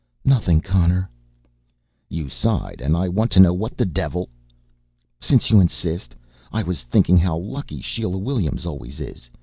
"Nothing, Connor." "You sighed and I want to know what the devil " "Since you insist I was thinking how lucky Sheila Williams always is.